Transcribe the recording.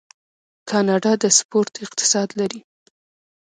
کاناډا د سپورت اقتصاد لري.